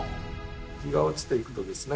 日が落ちていくとですね